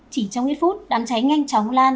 chỉ trong ít phút đám cháy nhanh chóng lan